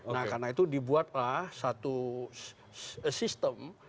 nah karena itu dibuatlah satu sistem